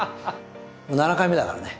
もう７回目だからね。